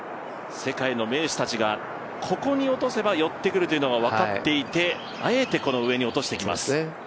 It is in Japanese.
世界の名手たちがここに落とせば寄ってくるというのが分かっていてあえてこの上に落としてきます。